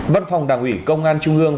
văn phòng đảng ủy công an trung ương